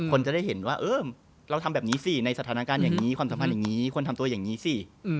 คนจะได้เห็นว่าเออเราทำแบบนี้สิในสถานการณ์อย่างนี้ความสัมพันธ์อย่างนี้ควรทำตัวอย่างนี้สิ